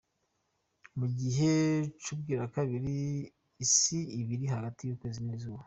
Mu gihe c'ubwirakabiri, isi iba iri hagati y'ukwezi n'izuba.